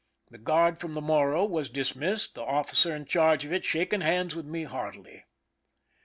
The guard from the Morro was dismissed, the officer in charge of it shaking hands with me heartily.